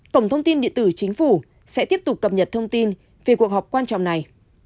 cổng thông tin địa tử chính phủ sẽ tiếp tục cập nhật thông tin về cuộc họp quan trọng này